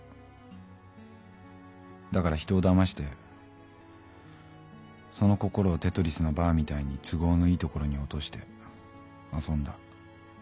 だから人をだましてその心をテトリスのバーみたいに都合のいいところに落として遊んだ。